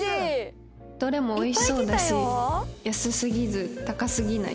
どれも美味しそうだし安すぎず高すぎない